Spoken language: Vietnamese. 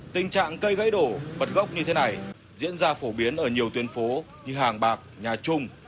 tình trạng cây gãy đổ bật gốc như thế này diễn ra phổ biến ở nhiều tuyến phố như hàng bạc nhà trung